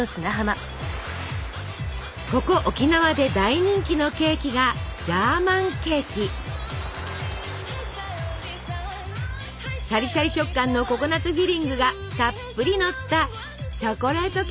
ここ沖縄で大人気のケーキがシャリシャリ食感のココナツフィリングがたっぷりのったチョコレートケーキです。